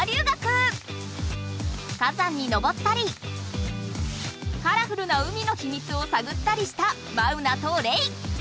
火山にのぼったりカラフルな海のひみつをさぐったりしたマウナとレイ！